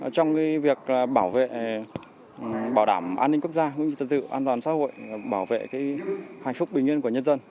trong việc bảo đảm an ninh quốc gia cũng như tự tự an toàn xã hội bảo vệ hạnh phúc bình yên của nhân dân